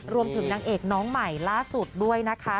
นางเอกน้องใหม่ล่าสุดด้วยนะคะ